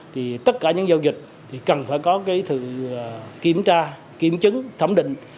thì tất cả những giao dịch thì cần phải có cái sự kiểm tra kiểm chứng thẩm định